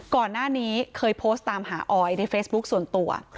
ก่อนหน้านี้เคยโพสต์ตามหาออยในเฟซบุ๊คส่วนตัว